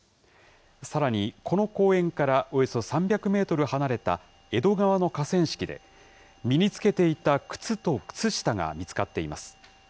さらに、この公園からおよそ３００メートル離れた江戸川の河川敷で、身に着けていた靴と靴下が見つかっています。